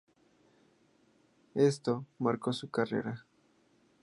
Esto marcó su carrera.